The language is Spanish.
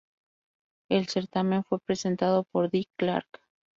El certamen fue presentado por Dick Clark.